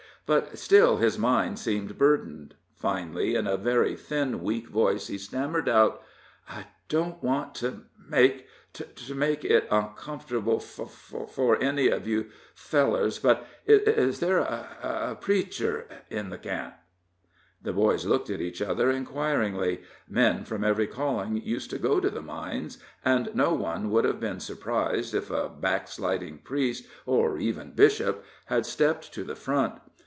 But still his mind seemed burdened. Finally, in a very thin, weak voice, he stammered out: "I don't want to make to make it uncomfortable for for any of you fellers, but is ther' a a preacher in the camp?" The boys looked at each other inquiringly; men from every calling used to go to the mines, and no one would have been surprised if a backsliding priest, or even bishop, had stepped to the front.